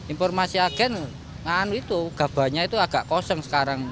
informasi agen anu itu gabahnya itu agak kosong sekarang